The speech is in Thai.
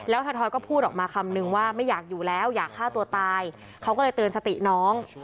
แล้วถอยก็พูดออกมาคำนึงว่าไม่อยากอยู่แล้วอยากฆ่าตัวตายเขาก็เลยเตือนสติน้อง